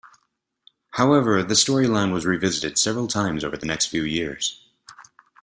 However, the storyline was revisited several times over the next few years.